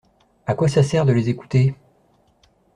À quoi ça sert de les écouter ?